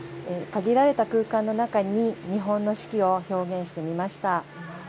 限られた空間の中に日本の四季を表現してみました。